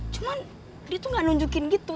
cuma dia tuh gak nunjukin gitu